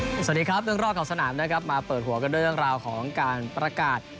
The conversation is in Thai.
สวัสดีครับเรื่องรอบของสนามนะครับมาเปิดหัวกันด้วยเรื่องราวของการประกาศ